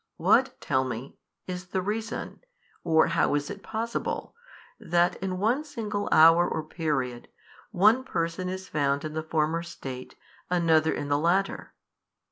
What (tell me) is the reason, or how is it possible, that in one single hour or period, one person is found in the former state, another in the latter?